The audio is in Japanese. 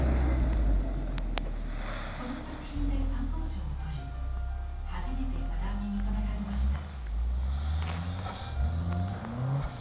この作品で三等賞を取り初めて画壇に認められました。